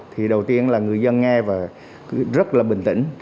thì đầu tiên là người dân nghe và rất là bình tĩnh